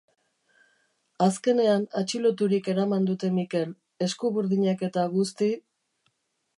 Azkenean atxiloturik eraman dute Mikel, eskuburdinak eta guzti...